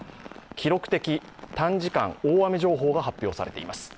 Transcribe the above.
記録的短時間大雨情報が発表されています。